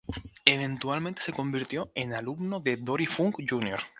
Eventualmente se convirtió en alumno de Dory Funk, Jr.